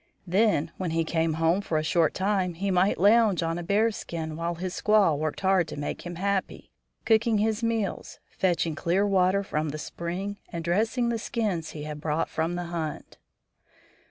Then, when he came home for a short time, he might lounge on a bear skin while his squaw worked hard to make him happy, cooking his meals, fetching clear water from the spring, and dressing the skins he had brought from the hunt.